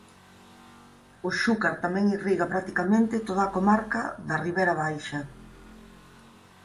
O Xúcar tamén irriga practicamente toda a comarca da Ribera Baixa.